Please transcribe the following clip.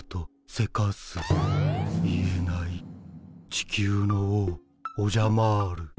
地球の王オジャマール。